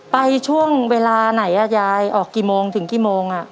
ไปช่วงเวลาไหนยายออกกี่โมงถึงกี่โมง